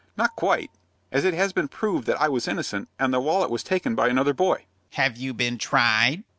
"Not quite, as it has been proved that I was innocent, and the wallet was taken by another boy." "Have you been tried?"